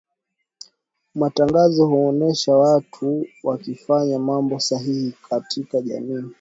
matangazo huonesha watu wakifanya mambo sahihi katika jamii